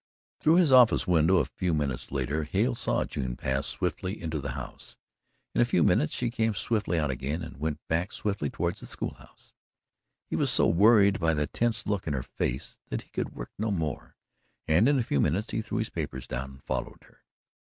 Through his office window, a few minutes later, Hale saw June pass swiftly into the house. In a few minutes she came swiftly out again and went back swiftly toward the school house. He was so worried by the tense look in her face that he could work no more, and in a few minutes he threw his papers down and followed her.